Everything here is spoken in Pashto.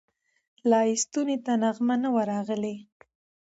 لا یې ستوني ته نغمه نه وه راغلې